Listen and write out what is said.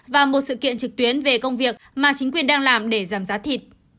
và một sự kiện trực tuyến về công việc mà chính quyền đang làm để giảm giá thịt